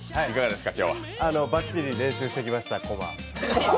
ばっちり練習してきました、コマ。